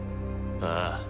ああ。